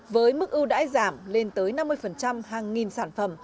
với mức ưu đãi giảm lên tới năm mươi hàng nghìn sản phẩm